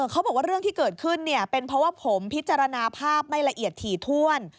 เขาบอกว่าเรื่องที่เกิดขึ้นเป็นเพราะว่าผมพิจารณาภาพไม่ละเอียดถี่ถ้วน